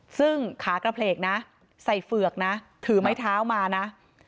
ซึ่งขากระเพลกนะใส่เฝือกนะถือไม้เท้ามานะ